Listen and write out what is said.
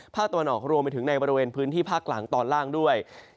ตะวันออกรวมไปถึงในบริเวณพื้นที่ภาคกลางตอนล่างด้วย